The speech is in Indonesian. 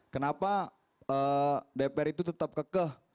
kenapa dpr itu tetap kekeh